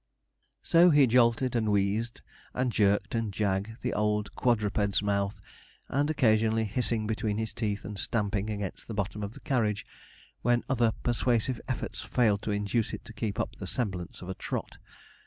So he jolted and wheezed, and jerked and jagged the old quadruped's mouth, occasionally hissing between his teeth, and stamping against the bottom of the carriage, when other persuasive efforts failed to induce it to keep up the semblance of a trot.